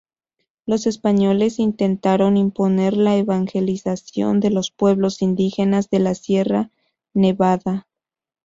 Los españoles intentaron imponer la evangelización de los pueblos indígenas de la Sierra Nevada.